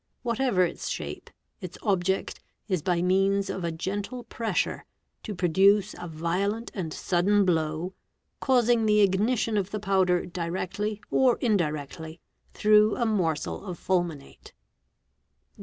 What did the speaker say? Whatever its shape, its object is by means of a gen: | SHOT GUNS | 413 pressure, to produce a violent and sudden blow, causing the ignition of the powder directly or indirectly through a morsel of fulminate.